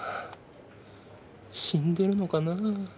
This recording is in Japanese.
死んでるのかなぁ。